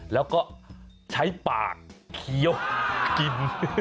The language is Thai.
แล้วก็ใช้ปากเคี้ยวกิน